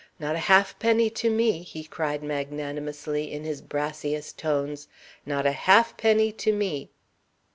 Not a half penny to me!" he cried magnanimously, in his brassiest tones. "Not a half penny to me!"